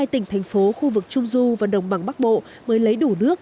một mươi tỉnh thành phố khu vực trung du và đồng bằng bắc bộ mới lấy đủ nước